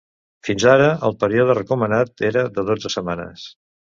Fins ara el període recomanat era de dotze setmanes.